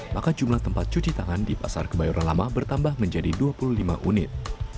maka jumlah tempat cuci tangan di pasar kebayoran lama bertambah menjadi dua puluh lima unit